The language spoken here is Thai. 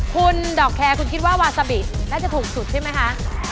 คุณดอกแคร์คุณคิดว่าวาซาบิน่าจะถูกสุดใช่ไหมคะ